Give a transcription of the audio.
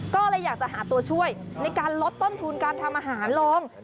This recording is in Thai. ก็เลยอยากจะหาตัวช่วยในการลดต้นทุนการทำอาหารลง